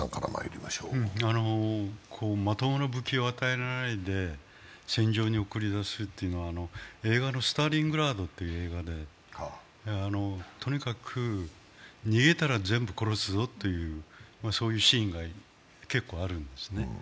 まともな武器を与えないで戦場に送り出すというのは、「スターニングラード」という映画で、とにかく、逃げたら全部殺すぞというシーンが結構あるんですね。